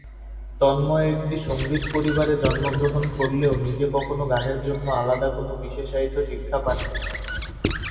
তন্ময় একটি সঙ্গীত পরিবারে জন্মগ্রহণ করলেও নিজে কখনো গানের জন্য আলাদা কোন বিশেষায়িত শিক্ষা পাননি।